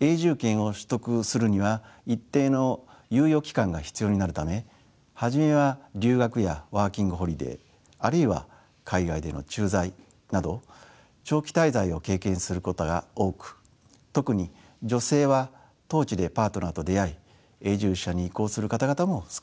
永住権を取得するには一定の猶予期間が必要になるため初めは留学やワーキングホリデーあるいは海外での駐在など長期滞在を経験することが多く特に女性は当地でパートナーと出会い永住者に移行する方々も少なくないようですね。